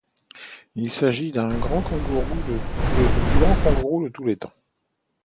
Il s'agit du plus grand kangourou de tous les temps.